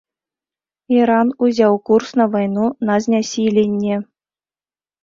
Іран ўзяў курс на вайну на знясіленне.